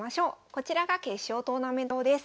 こちらが決勝トーナメント表です。